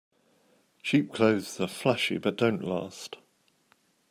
Cheap clothes are flashy but don't last.